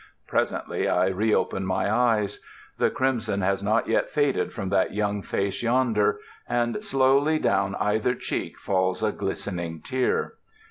Presently I reopen my eyes. The crimson has not yet faded from that young face yonder, and slowly down either cheek falls a glistening tear.